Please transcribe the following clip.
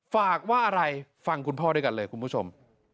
ฝากว่าอะไรฟังคุณพ่อด้วยกันเลยคุณผู้ชม